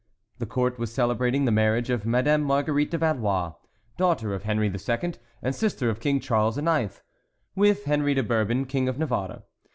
The court was celebrating the marriage of Madame Marguerite de Valois, daughter of Henry II. and sister of King Charles IX., with Henry de Bourbon, King of Navarre.